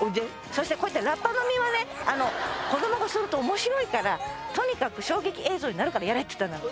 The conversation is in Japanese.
そしてこういったラッパ飲みはねあの子供がすると面白いからとにかく衝撃映像になるからやれっていったのよ